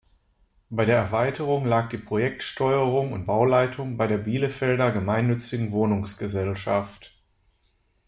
Bei der Erweiterung lag die Projektsteuerung und Bauleitung bei der Bielefelder Gemeinnützigen Wohnungsgesellschaft.